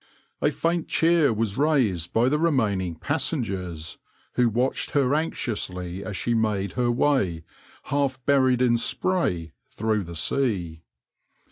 A faint cheer was raised by the remaining passengers, who watched her anxiously as she made her way, half buried in spray, through the sea.